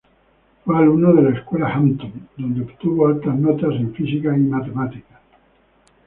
Fue alumno de la Escuela Hampton, donde obtuvo altas notas en Física y Matemáticas.